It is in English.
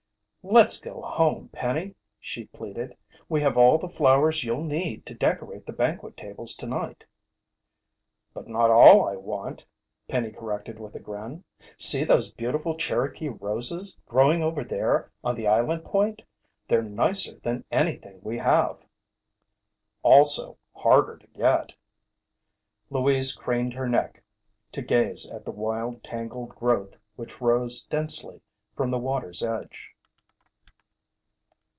"Let's go home, Penny," she pleaded. "We have all the flowers you'll need to decorate the banquet tables tonight." "But not all I want," Penny corrected with a grin. "See those beautiful Cherokee roses growing over there on the island point? They're nicer than anything we have." "Also harder to get." Louise craned her neck to gaze at the wild, tangled growth which rose densely from the water's edge.